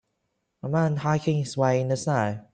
A man hiking his way in the snow.